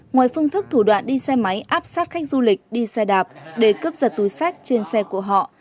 ngoài phương thức thủ đoạn đi xe máy áp sát khách du lịch đi xe đạp để cướp giật túi sách trên xe của họ